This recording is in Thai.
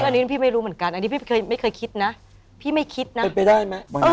อันนี้พี่ไม่รู้เหมือนกันอันนี้พี่เคยไม่เคยคิดนะพี่ไม่คิดนะเป็นไปได้ไหม